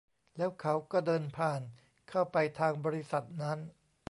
แล้วเขาก็เดินผ่านเข้าไปทางบริษัทนั้น